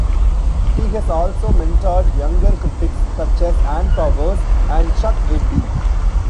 He has also mentored younger critics such as Ann Powers and Chuck Eddy.